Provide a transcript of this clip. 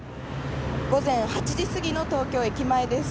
午前８時過ぎの東京駅前です。